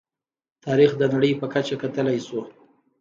تاریخ د نړۍ په کچه کتلی شو.